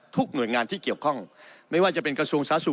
หน่วยงานที่เกี่ยวข้องไม่ว่าจะเป็นกระทรวงสาธารสุข